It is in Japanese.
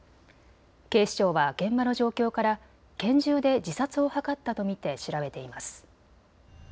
警視庁は現場の状況から拳銃で自殺を図ったと見て調べています。